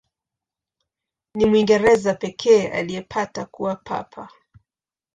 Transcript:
Ni Mwingereza pekee aliyepata kuwa Papa.